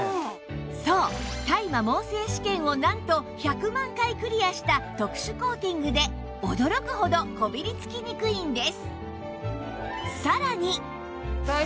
そう耐摩耗性試験をなんと１００万回クリアした特殊コーティングで驚くほどこびりつきにくいんです